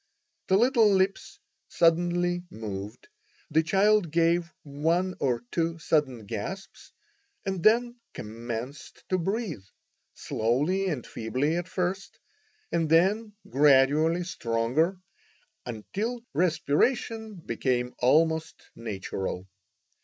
The little lips suddenly moved, the child gave one or two sudden gasps and then commenced to breathe, slowly and feebly at first, and then gradually stronger, until respiration became almost natural.